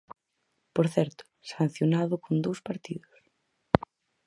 Por certo, sancionado con dous partidos.